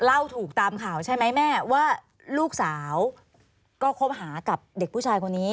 เล่าถูกตามข่าวใช่ไหมแม่ว่าลูกสาวก็คบหากับเด็กผู้ชายคนนี้